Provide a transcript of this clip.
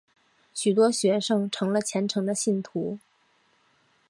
许多学生成了虔诚的信徒。